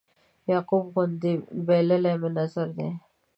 د یعقوب غوندې بایللی مې نظر دی